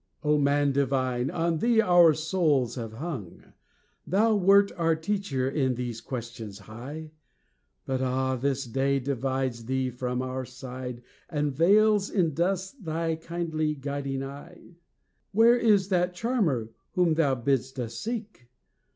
"O man divine! on thee our souls have hung; Thou wert our teacher in these questions high; But ah! this day divides thee from our side, And veils in dust thy kindly guiding eye. "Where is that Charmer whom thou bidst us seek?